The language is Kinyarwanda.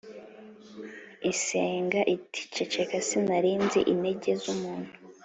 isega iti ” ceceka sinarinzi intege z'umuntu,